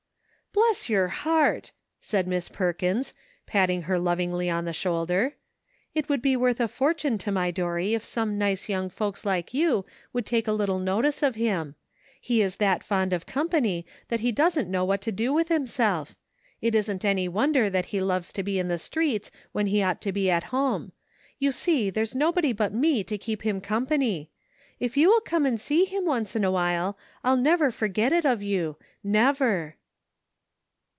"Bless your heart !" said Miss Perkins, pat ting her lovingly on the shoulder ; "it would be worth a fortune to my Dorry if some nice young folks like you would take a little notice of him ; he is that fond of company that he don't know what to do with himself. It isn't any wonder that he loves to be in the streets when he ought to be at home ; you see there's nobody but me to keep him company. If you will come and see him once in a while I'll never forget it of you, never."